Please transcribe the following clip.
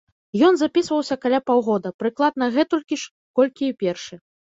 Ён запісваўся каля паўгода, прыкладна гэтулькі ж, колькі і першы.